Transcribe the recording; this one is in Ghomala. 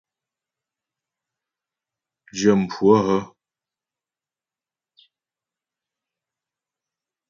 Dyə̂mhwə hə́ ?